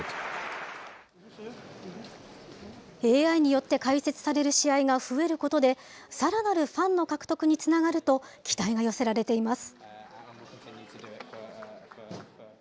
ＡＩによって解説される試合が増えることで、さらなるファンの獲得につながると、期待が寄せられています。